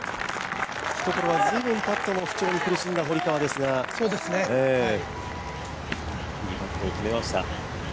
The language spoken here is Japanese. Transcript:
ひところは、ずいぶんパットの不調に苦しんだ堀川ですがいいパットを決めました。